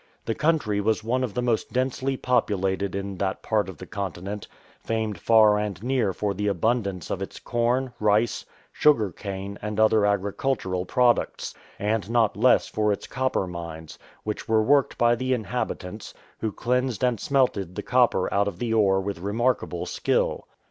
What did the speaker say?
The country was one of the most densely populated in that part of the continent, famed far and near for the abundance of its corn, rice, sugar cane, and other agri cultural products ; and not less for its copper mines, which were worked by the inhabitants, who cleansed and smelted the copper out of the ore with remarkable skill.